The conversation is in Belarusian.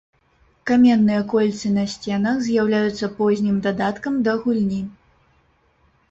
Каменныя кольцы на сценах з'яўляюцца познім дадаткам да гульні.